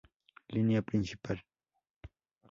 Línea principal